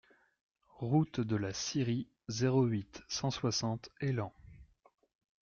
Route de la Scierie, zéro huit, cent soixante Élan